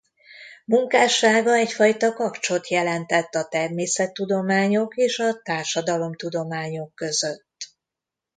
Munkássága egyfajta kapcsot jelentett a természettudományok és a társadalomtudományok között.